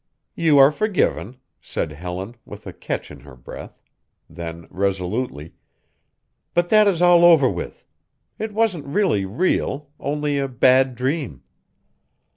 "You are forgiven," said Helen, with a catch in her breath; then resolutely, "but that is all over with. It wasn't really real only a bad dream."